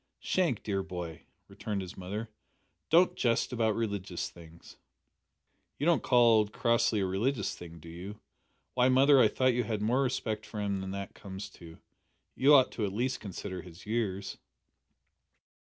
"Shank, dear boy," returned his mother, "don't jest about religious things." "You don't call old Crossley a religious thing, do you? Why, mother, I thought you had more respect for him than that comes to; you ought at least to consider his years!"